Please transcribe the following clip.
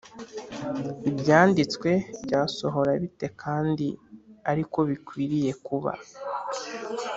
ibyanditswe byasohora bite kandi ari ko bikwiriye kuba